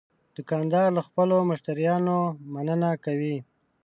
دوکاندار له خپلو مشتریانو مننه کوي.